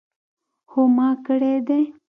هو ما کړی دی